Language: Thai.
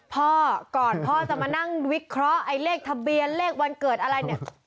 พ่อก่อนพ่อจะมานั่งวิเคราะห์เลขทะเบียนเลขวันเกิดอะไร